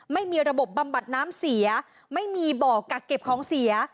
ไม่มีระบบบำบัดน้ำเสียไม่มีบ่อกักเก็บของเสีย